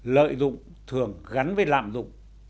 lợi dụng thường gắn với lạm dụng